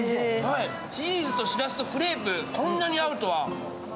チーズとしらすとクレープ、こんなに合うとは。